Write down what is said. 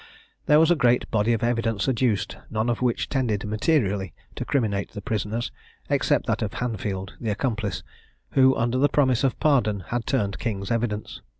There was a great body of evidence adduced, none of which tended materially to criminate the prisoners, except that of Hanfield, the accomplice, who, under the promise of pardon, had turned king's evidence.